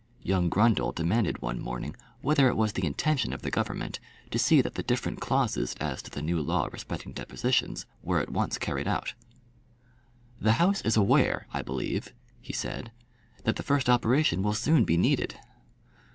Young Grundle demanded one morning whether it was the intention of the Government to see that the different clauses as to the new law respecting depositions were at once carried out. "The House is aware, I believe," he said, "that the first operation will soon be needed."